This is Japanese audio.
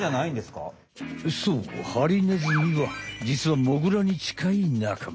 そうハリネズミは実はモグラに近い仲間。